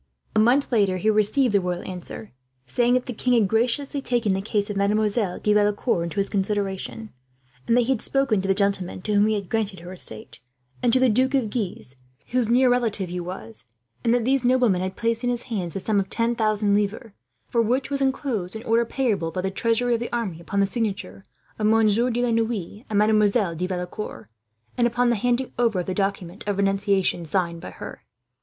A month later he received the royal answer, saying that the king had graciously taken the case of Mademoiselle de Valecourt into his consideration, that he had spoken to the nobleman to whom he had granted her estate, and to the Duke of Guise, whose near relative he was; and that these noblemen had placed in his hands the sum of ten thousand livres, for which was enclosed an order, payable by the treasury of the army upon the signatures of Monsieur de la Noue and Mademoiselle de Valecourt, and upon the handing over of the document of renunciation signed by her.